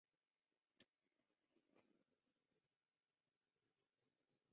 Esta misma revista calculó su fortuna en mil millones de dólares.